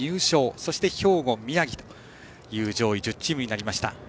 そして兵庫、宮城と上位１０チームとなりました。